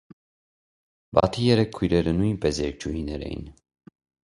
Բաթի երեք քույրերը նույնպես երգչուհիներ էին։